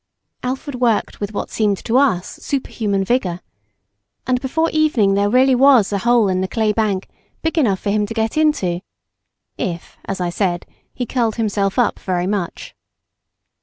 Alfred worked with what seemed to us superhuman vigour, and before evening there really was a hole in the clay bank big enough for him to get into, if, as I said, he curled himself up very much.